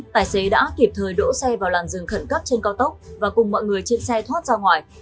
tài xế đã kịp thời đỗ xe vào làn rừng khẩn cấp trên cao tốc và cùng mọi người trên xe thoát ra ngoài